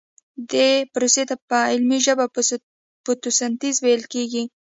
ایا ستاسو لاره به هواره وي؟